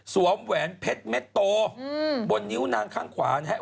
แหวนเพชรเม็ดโตบนนิ้วนางข้างขวานะครับ